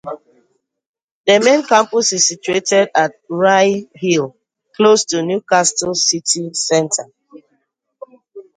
The main campus is situated at Rye Hill, close to Newcastle city centre.